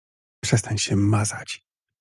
Przestań się mazać.